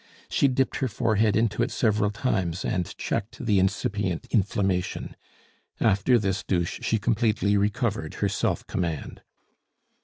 She dipped her forehead into it several times, and checked the incipient inflammation. After this douche she completely recovered her self command.